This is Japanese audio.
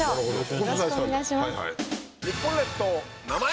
よろしくお願いします。